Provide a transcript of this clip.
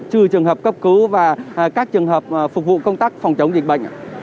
trừ trường hợp cấp cứu và các trường hợp phục vụ công tác phòng chống dịch bệnh